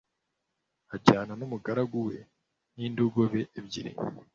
ajyana n'umugaragu we n'indogobe ebyiri